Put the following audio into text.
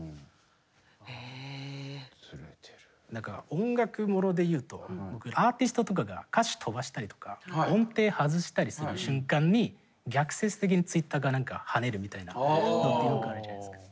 音楽物で言うとアーティストとかが歌詞飛ばしたりとか音程外したりする瞬間に逆説的にツイッターか何かはねるみたいなことよくあるじゃないですか。